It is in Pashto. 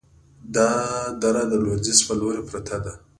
دا دره د لویدیځ په لوري پرته ده،